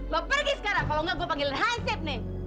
lo pergi sekarang kalau enggak gue panggilin hansip nih